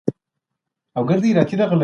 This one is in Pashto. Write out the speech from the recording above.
څوک د ټولنې په اړه پرېکړه کوي؟